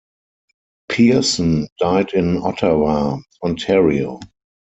Pearson died in Ottawa, Ontario.